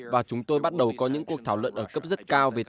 và chúng tôi bắt đầu có những cuộc thảo luận ở cấp rất cao về tpp